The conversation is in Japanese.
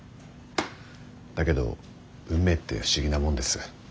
だけど運命って不思議なもんです。